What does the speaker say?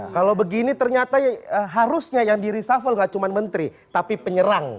kalau begini ternyata harusnya yang di reshuffle gak cuma menteri tapi penyerang